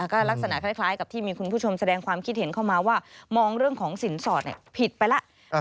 ก็ลักษณะคล้ายกับที่มีคุณผู้ชมแสดงความคิดเห็นเข้ามาว่ามองเรื่องของสินสอดผิดไปแล้ว